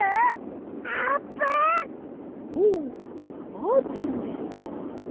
ほうあーぷんですか！